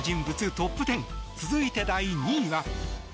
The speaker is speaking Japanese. トップ１０続いて第２位は。